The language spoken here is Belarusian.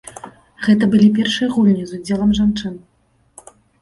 Гэта былі першыя гульні з удзелам жанчын.